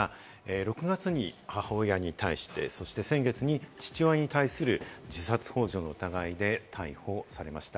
６月に母親に対して、そして先月に父親に対する自殺ほう助の疑いで逮捕されました。